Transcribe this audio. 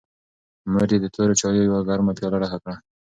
مور یې د تورو چایو یوه ګرمه پیاله ډکه کړه.